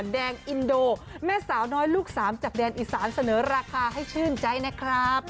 แดงอินโดแม่สาวน้อยลูกสามจากแดนอีสานเสนอราคาให้ชื่นใจนะครับ